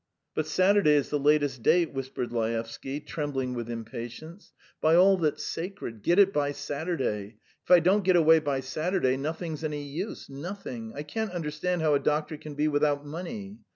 "But Saturday is the latest date," whispered Laevsky, trembling with impatience. "By all that's sacred, get it by Saturday! If I don't get away by Saturday, nothing's any use, nothing! I can't understand how a doctor can be without money!"